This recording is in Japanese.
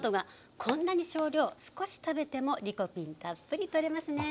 少し食べてもリコピンたっぷりとれますね。